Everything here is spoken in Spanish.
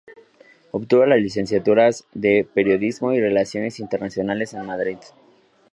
Obtuvo las licenciaturas de Periodismo y Relaciones Internacionales en Madrid.